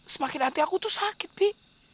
semakin nanti aku tuh sakit pi